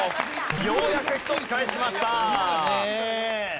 ようやく１つ返しました。